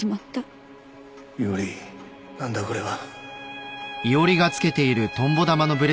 伊織何だこれは？